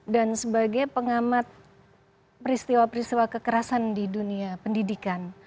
dan sebagai pengamat peristiwa peristiwa kekerasan di dunia pendidikan